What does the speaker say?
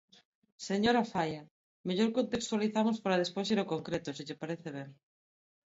Señora Faia, mellor contextualizamos para despois ir ao concreto, se lle parece ben.